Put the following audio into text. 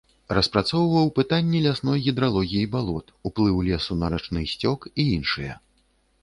Распрацоўваў пытанні лясной гідралогіі балот, уплыў лесу на рачны сцёк і іншыя.